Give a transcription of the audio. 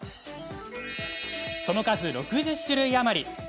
その数、６０種類余り。